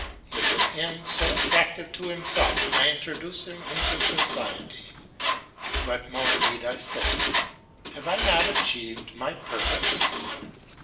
With an end so attractive to himself, I introduce him into society. What more need I say? Have I not achieved my purpose?